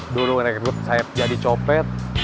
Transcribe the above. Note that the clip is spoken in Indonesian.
dulu rekrut saya jadi copet